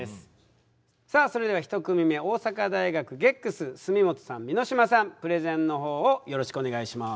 さあそれでは１組目大阪大学ＧＥＣＳ炭本さん箕島さんプレゼンの方をよろしくお願いします。